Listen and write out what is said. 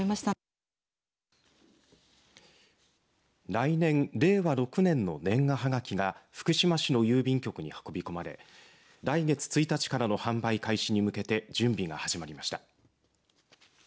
来年令和６年の年賀はがきが福島市の郵便局に運び込まれ来月１日からの販売開始に向けて準備が始まりました。